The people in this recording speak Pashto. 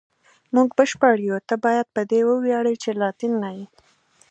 موږ بشپړ یو، ته باید په دې وویاړې چې لاتین نه یې.